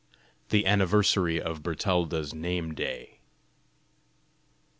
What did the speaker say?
THE ANNIVERSARY OF BERTALDA'S NAME DAY.